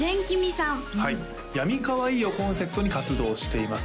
さんはい病みかわいいをコンセプトに活動しています